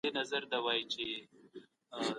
د مفرور ناول له نورو کیسو څخه اوږد دی.